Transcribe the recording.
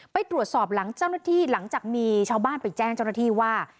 ไปตรวจสอบหลังเจ้าหน้าที่หลังจากมีชาวบ้านไปแจ้งเจ้าหน้าที่ว่า